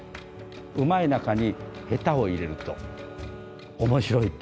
うまい中に下手を入れると面白いってこと。